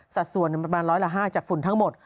สัดส่วนประมาณร้อยละ๕จากฝุ่นทั้งหมด